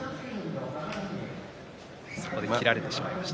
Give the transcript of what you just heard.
切られてしまいました。